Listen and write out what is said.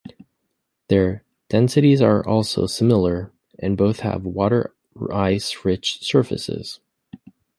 Their densities are also similar and both have water ice rich surfaces.